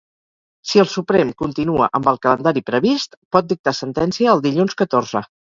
Si el Suprem continua amb el calendari previst, pot dictar sentència el dilluns catorze.